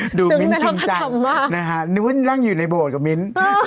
โอ้โหดูมิ้นจริงจังนึกว่ารั่งอยู่ในโบสถ์กับมิ้น